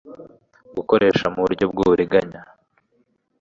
gukoresha mu buryo bw uburiganya f